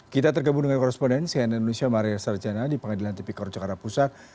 kita terkembang dengan korrespondensi dari indonesia maria sarjana di pengadilan tepikor jakarta pusat